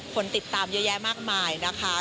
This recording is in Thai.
คนติดตามเยอะแยะมากมายนะคะ